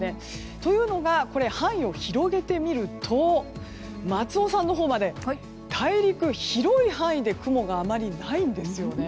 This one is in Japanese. というのが、範囲を広げてみると松尾さんのほうまで大陸、広い範囲で雲があまりないんですよね。